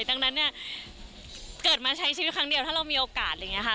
ดังนั้นเนี่ยเกิดมาใช้ชีวิตครั้งเดียวถ้าเรามีโอกาสอะไรอย่างนี้ค่ะ